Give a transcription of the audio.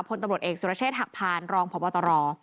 พลตำรวจเอกสุรเชษฐหักพานรองพบตร